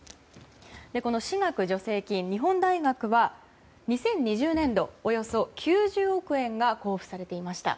この私学助成金、日本大学は２０２０年度、およそ９０億円が交付されていました。